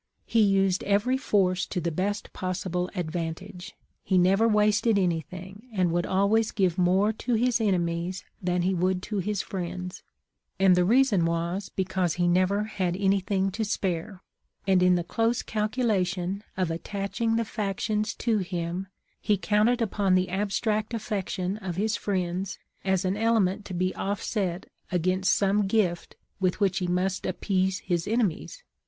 He used every force to the best possible advantage. I Ie never wasted anything, and would always give more to his enemies than he would to his friends ; and the reason was, because he never had anything to spare, and in the close calculation of attaching the factions to him, he counted upon the abstract affection of his friends as an element to be offset against some gift with which he must appease his enemies.